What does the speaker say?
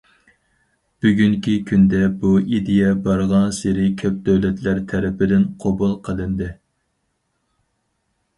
بۈگۈنكى كۈندە، بۇ ئىدىيە بارغانسېرى كۆپ دۆلەتلەر تەرىپىدىن قوبۇل قىلىندى.